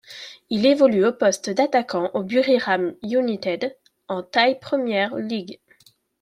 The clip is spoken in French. Il évolue au poste d'attaquant au Buriram United en Thai Premier League.